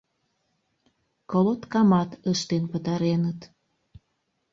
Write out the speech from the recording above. Колоткамат ыштен пытареныт.